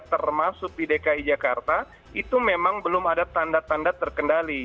termasuk di dki jakarta itu memang belum ada tanda tanda terkendali